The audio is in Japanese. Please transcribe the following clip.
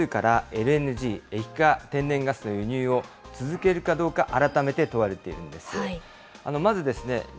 引き続きサハリン２からＬＮＧ・液化天然ガスの輸入を続けるかどうか、改めて問われているんです。